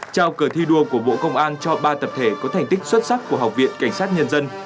trao cờ thi đua của bộ công an cho ba tập thể có thành tích xuất sắc của học viện cảnh sát nhân dân